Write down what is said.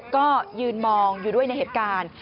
ก็ยืนมองอยู่ด้วยในเหตุการณ์